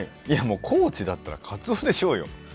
高知だったらカツオでしょうよ。